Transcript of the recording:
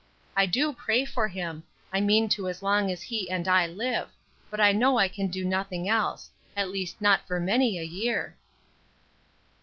I do pray for him; I mean to as long as he and I live; but I know I can do nothing else; at least not for many a year."